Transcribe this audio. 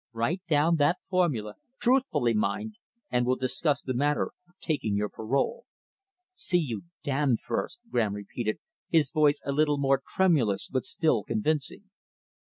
Write down that formula truthfully, mind and we'll discuss the matter of taking your parole." "See you damned first!" Graham repeated, his voice a little more tremulous but still convincing.